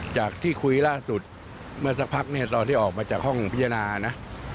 จากที่คุยล่าสุดเมื่อสักพักเนี่ยตอนที่ออกมาจากห้องพิจารณานะ